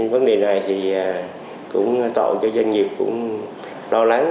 vấn đề này thì cũng tạo cho doanh nghiệp cũng lo lắng